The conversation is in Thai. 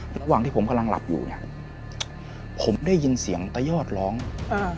ระหว่างที่ผมกำลังหลับอยู่เนี้ยผมได้ยินเสียงตะยอดร้องอ่า